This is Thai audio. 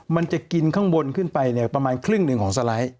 มันจะกินข้างบนขึ้นไปเนี่ยประมาณครึ่งหนึ่งของสไลด์